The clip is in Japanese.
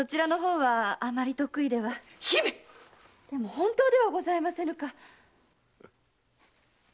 本当ではございませぬか。